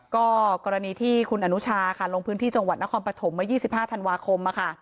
ก็กรณีที่คุณอนุชาค่ะลงพื้นที่จังหวัดนครปฐมเมื่อ๒๕ธันวาคม